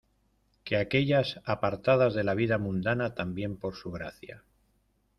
que aquellas apartadas de la vida mundana, también por su Gracia...